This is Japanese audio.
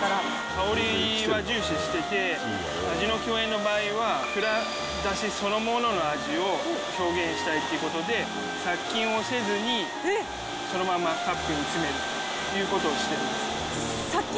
香りは重視してて、味の饗宴の場合は、蔵出しそのものの味を表現したいということで、殺菌をせずにそのままカップに詰めるということをしている。